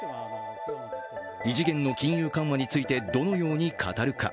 異次元の金融緩和についてどのように語るか。